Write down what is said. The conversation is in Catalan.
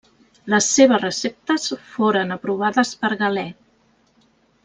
Les seves receptes foren aprovades per Galè.